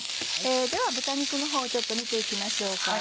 では豚肉のほうちょっと見て行きましょうか。